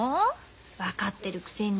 分かってるくせに。